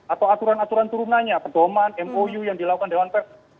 atau aturan aturan turunannya pedoman mou yang dilakukan dewan pers